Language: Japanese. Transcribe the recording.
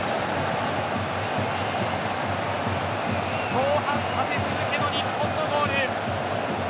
後半立て続けの日本のゴール。